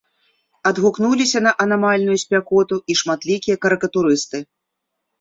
Адгукнуліся на анамальную спякоту і шматлікія карыкатурысты.